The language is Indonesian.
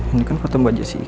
ini kan foto mbak jessi